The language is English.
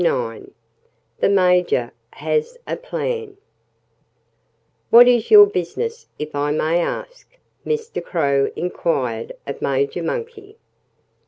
IX The Major Has a Plan "What is your business, if I may ask?" Mr. Crow inquired of Major Monkey.